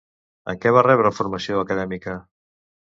En què va rebre formació acadèmica?